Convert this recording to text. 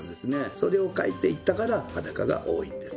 それを描いていったから裸が多いんです。